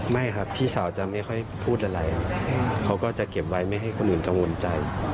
ไม่ครับพี่สาวจะไม่ค่อยพูดอะไรเขาก็จะเก็บไว้ไม่ให้คนอื่นกังวลใจ